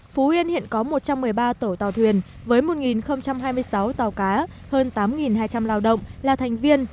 phú yên hiện có một trăm một mươi ba tổ tàu thuyền với một hai mươi sáu tàu cá hơn tám hai trăm linh lao động là thành viên